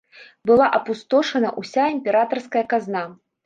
Была апустошана ўся імператарская казна.